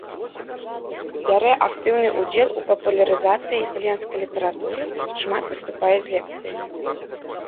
Бярэ актыўны ўдзел у папулярызацыі італьянскай літаратуры, шмат выступае з лекцыямі.